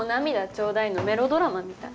ちょうだいのメロドラマみたい。